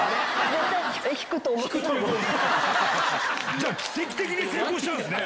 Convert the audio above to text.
じゃあ奇跡的に成功したんすね。